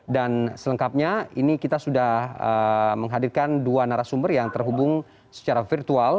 dan selengkapnya ini kita sudah menghadirkan dua narasumber yang terhubung secara virtual